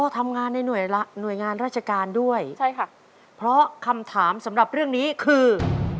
ทำงานในหน่วยงานราชการด้วยใช่ค่ะเพราะคำถามสำหรับเรื่องนี้คือ